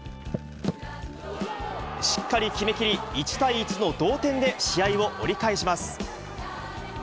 しっかり決めきり、１対１の同点で試合を折り返します。